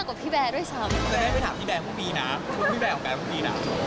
แล้วแม่ไปถามพี่แบร์ผู้บีนนะคุณพี่แบร์ของแบร์ผู้บีนอ่ะ